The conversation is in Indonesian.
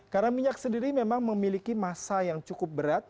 karena minyak sendiri memang memiliki masa yang cukup berat